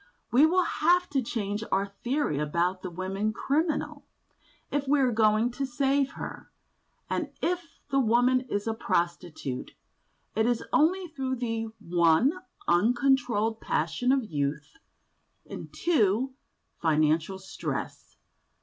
We will have to change our theory about the woman criminal, if we are going to save her. And if the woman is a prostitute, it is only through (1) the uncontrolled passion of youth, and (2) financial stress.